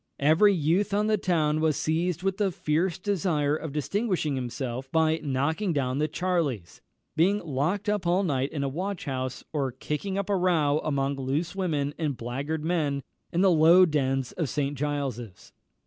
Every youth on the town was seized with the fierce desire of distinguishing himself by knocking down the "charlies," being locked up all night in a watch house, or kicking up a row among loose women and blackguard men in the low dens of St. Giles's.